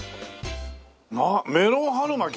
なメロン春巻き？